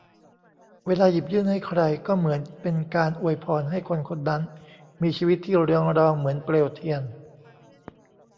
เวลาหยิบยื่นให้ใครก็เหมือนเป็นการอวยพรให้คนคนนั้น มีชีวิตที่เรืองรองเหมือนเปลวเทียน